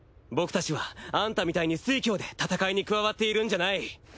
僕たちはアンタみたいに酔狂で戦いに加わっているんじゃない。